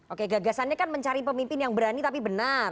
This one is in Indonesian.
oke gagasannya kan mencari pemimpin yang berani tapi benar